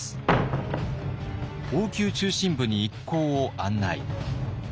王宮中心部に一行を案内。